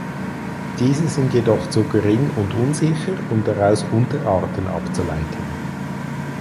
Diese sind jedoch zu gering und unsicher um daraus Unterarten abzuleiten.